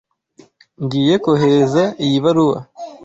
Ngiye kohereza iyi baruwa.